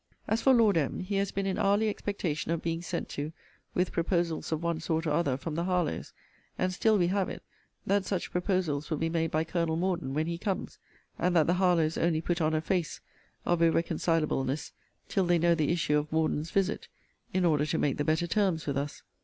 As for Lord M. he has been in hourly expectation of being sent to with proposals of one sort or other from the Harlowes; and still we have it, that such proposals will be made by Colonel Morden when he comes; and that the Harlowes only put on a face of irreconcileableness, till they know the issue of Morden's visit, in order to make the better terms with us.